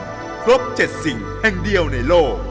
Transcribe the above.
ครบ๗สิ่งแห่งเดียวในโลก